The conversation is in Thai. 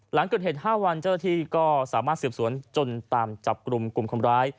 หลังเกิดเหตุ๕วันเจ้าหน้าที่ก็สามารถสืบสวนจนตามจับกลุ่มกลุ่มคนร้าย